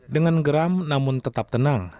dengan geram namun tetap tenang